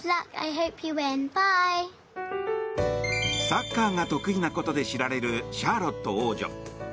サッカーが得意なことで知られるシャーロット王女。